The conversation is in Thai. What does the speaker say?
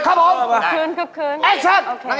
โอกาสนักเอก